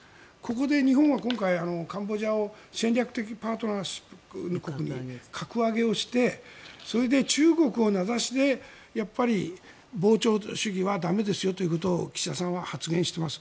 ここで日本は今回カンボジアを戦略的パートナーシップ国に格上げをしてそれで中国を名指しで膨張主義は駄目ですよということを岸田さんは発言しています。